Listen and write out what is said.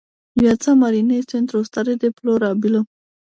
Viața marină este într-o stare deplorabilă.